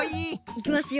いきますよ。